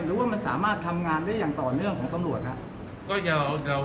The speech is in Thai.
หรือว่ามันสามารถทำงานได้อย่างต่อเนื่องของตำรวจครับ